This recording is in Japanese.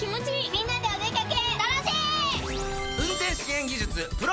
みんなでお出掛け。